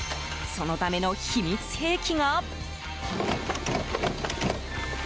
そのための秘密兵器が。